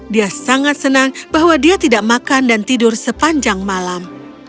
dia sangat senang bahwa dia tidak makan dan tidur sepanjang malam